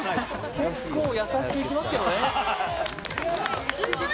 結構優しくいきますけどね。